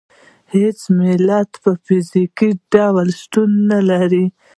هېڅ ملت په فزیکي ډول شتون نه لري.